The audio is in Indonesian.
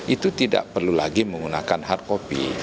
itu tidak perlu lagi menggunakan hard copy